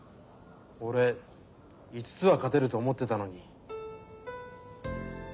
俺５つは勝てると思ってたのに。